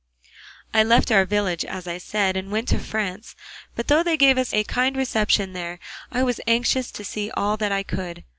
"I left our village, as I said, and went to France, but though they gave us a kind reception there I was anxious to see all I could.